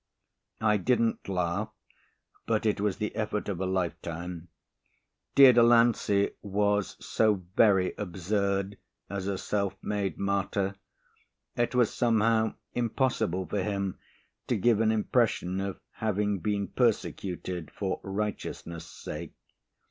I didn't laugh, but it was the effort of a lifetime. Dear Delancey was so very absurd as a self made martyr. It was somehow impossible for him to give an impression of having been persecuted for righteousness' sake.